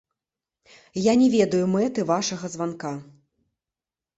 Я не ведаю мэты вашага званка.